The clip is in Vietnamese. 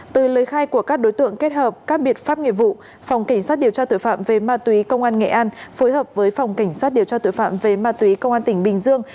từ lời khai của các đối tượng kết hợp các biện pháp nghiệp vụ phòng cảnh sát điều tra tội phạm về ma túy công an nghệ an phối hợp với phòng cảnh sát điều tra tội phạm về ma túy công an tỉnh bình dương